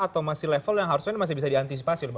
atau masih level yang harusnya masih bisa diantisipasi